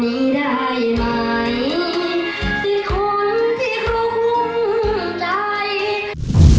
เป็นคนที่กลัวคุ้มใจ